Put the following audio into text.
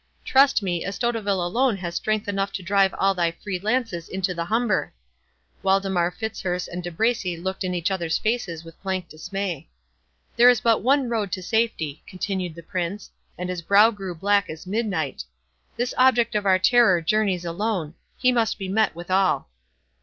Trust me, Estoteville alone has strength enough to drive all thy Free Lances into the Humber."—Waldemar Fitzurse and De Bracy looked in each other's faces with blank dismay.—"There is but one road to safety," continued the Prince, and his brow grew black as midnight; "this object of our terror journeys alone—He must be met withal."